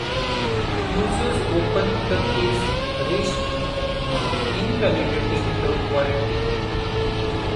Users opening the case risked invalidating the warranty.